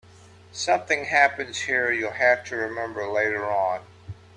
Something happens here you'll have to remember later on.